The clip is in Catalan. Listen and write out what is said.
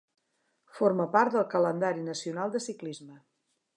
Forma part del calendari nacional de ciclisme.